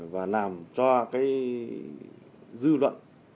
và làm cho cái dư luận